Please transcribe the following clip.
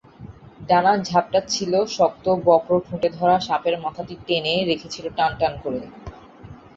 ডানা ঝাপটাচ্ছিল, শক্ত-বক্র ঠোঁটে ধরা সাপের মাথাটি টেনে রেখেছিল টান টান করে।